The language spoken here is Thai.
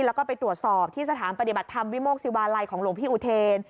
แล้วก็ไปตรวจสอบที่สถานปฏิบัติธรรมวิโมกศิวาลัยของหลวงพี่อุเทน